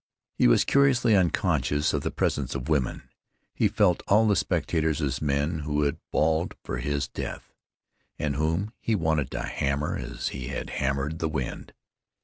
He was curiously unconscious of the presence of women; he felt all the spectators as men who had bawled for his death and whom he wanted to hammer as he had hammered the wind.